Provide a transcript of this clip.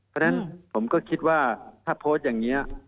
เพราะฉะนั้นผมก็คิดว่าถ้าโพสต์อย่างนี้